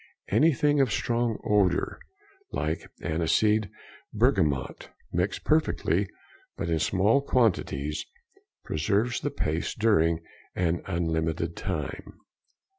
Anything of strong odour, like aniseed, bergamot, mixed perfectly but in small quantities, preserves the paste during an unlimited time.